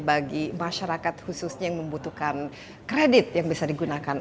bagi masyarakat khususnya yang membutuhkan kredit yang bisa digunakan